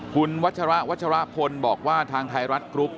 คุณวัชระวัชรพลบอกว่าทางไทยรัฐกรุ๊ป